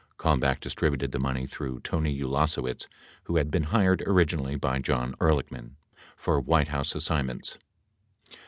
73 Kalmbach distributed the money through Tony Ulasewicz, who had been hired originally by John Ehrlichman for White House assign ments.